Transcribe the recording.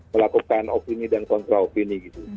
melakukan opini dan kontra opini gitu